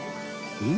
「うん？